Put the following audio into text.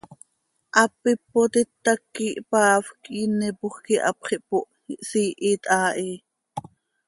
Hap ipot itac quih hpaafc, iinepoj quih hapx ihpooh, ihsiihit haa hi.